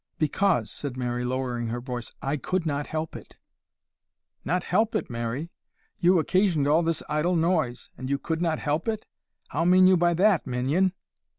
"Because," said Mary, lowering her voice, "I could not help it." "Not help it, Mary! you occasioned all this idle noise, and you could not help it? How mean you by that, minion?"